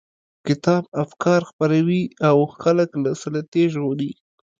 کتاب افکار خپروي او خلک له سلطې ژغوري.